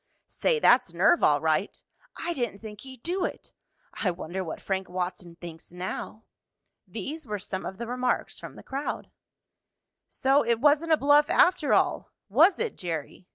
"Say, that's nerve all right!" "I didn't think he'd do it!" "I wonder what Frank Watson thinks now." These were some of the remarks from the crowd. "So, it wasn't a bluff after all; was it, Jerry?"